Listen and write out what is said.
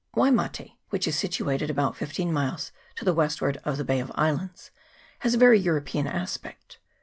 Waimate, which is situated about fifteen miles to the westward of the Bay of Islands, has a very European aspect.